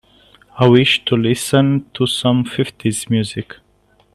I wish to listen to some fifties music.